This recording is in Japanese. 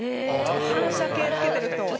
反射系着けてる人。